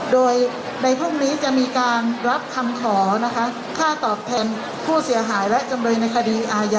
โดยดิฉันนะคะใน